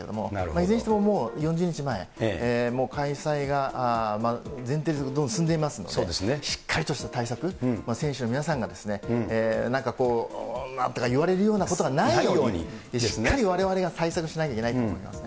いずれにしてももう４０日前、もう開催が前提で進んでいますので、しっかりとした対策、選手の皆さんがなんかこう、なんとか言われることがないように、しっかりわれわれは対策しないといけないと思いますね。